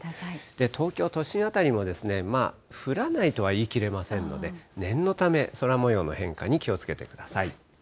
東京都心辺りも、まあ降らないとは言い切れませんので、念のため、空もようの変化に気をつけてください。